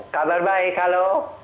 kabar baik halo